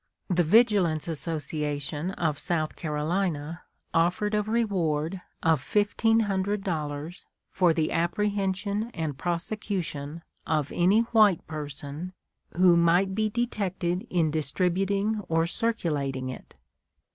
The Vigilance Association of South Carolina offered a reward of $1,500 for the apprehension and prosecution of any white person who might be detected in distributing or circulating it.